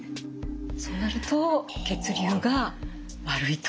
そうなると血流が悪いと。